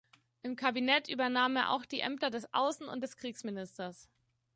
Im Kabinett übernahm er auch die Ämter des Außen- und des Kriegsministers.